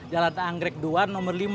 jalan anggrek dua nomor lima